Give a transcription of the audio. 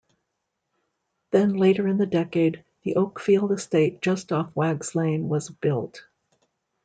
Then later in the decade the Oakfield Estate just off Whaggs Lane was built.